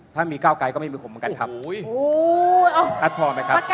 ถ้ามีก้าวไกลก็ไม่มีผมใช่พอไหมครับ